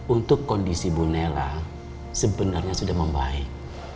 untuk kondisi bu nela sebenarnya sudah membaik